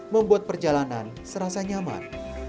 membuat perjalanan serasa nyaman